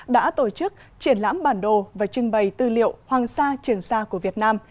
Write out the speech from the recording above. đã tổ chức triển lãm bản đồ và trưng bày tư liệu hoàng sa trường sa của việt nam